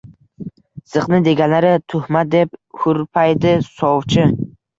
– Ziqna deganlari – tuhmat! – deb hurpaydi sovchi